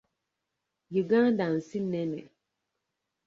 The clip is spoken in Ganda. Uganda nsi nnene.